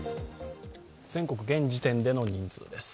全国、現時点での人数です。